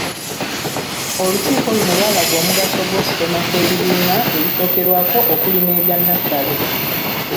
Olukiiko luno lwalaga omugaso gw’okusoma kw’ebibiina ebisookerwako okuli n’ebya nnassale.